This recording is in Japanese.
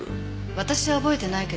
私は覚えてないけど。